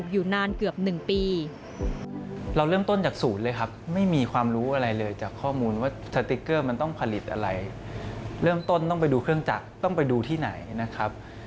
อยู่ที่ไหนนะครับ